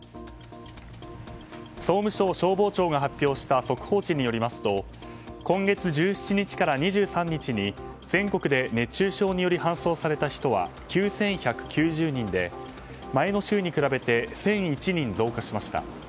総務省消防庁が発表した速報値によりますと今月１７日から２３日に全国で熱中症により搬送された人は９１９０人で、前の週に比べて１００１人増加しました。